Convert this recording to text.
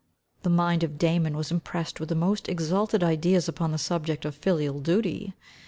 The mind of Damon was impressed with the most exalted ideas upon the subject of filial duty.